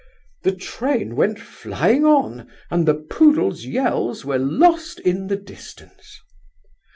The train went flying on, and the poodle's yells were lost in the distance."